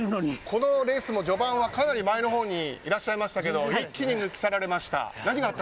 このレースの序盤はかなり前のほうにいらっしゃいましたけど一気に抜き去られました。